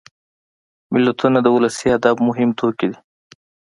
متلونه د ولسي ادب مهم توکي دي